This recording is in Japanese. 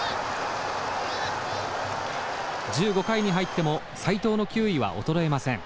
１５回に入っても斎藤の球威は衰えません。